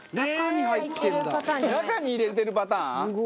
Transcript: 中に入れてるパターン？